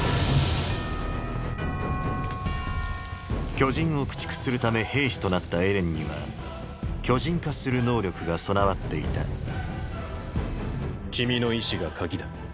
巨人を駆逐するため兵士となったエレンには巨人化する能力が備わっていた君の意志が「鍵」だ。